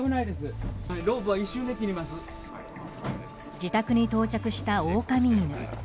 自宅に到着したオオカミ犬。